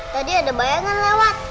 tadi ada bayangan lewat